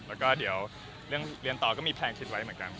แล้วก็เดี๋ยวเรื่องเรียนต่อก็มีแพลนคิดไว้เหมือนกัน